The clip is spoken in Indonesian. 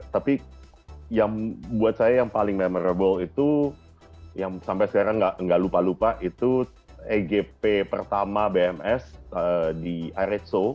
tapi yang buat saya yang paling memorable itu yang sampai sekarang gak lupa lupa itu egp pertama bms di iredso